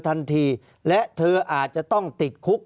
ภารกิจสรรค์ภารกิจสรรค์